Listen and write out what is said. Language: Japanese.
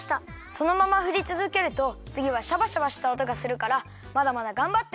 そのままふりつづけるとつぎはシャバシャバしたおとがするからまだまだがんばって。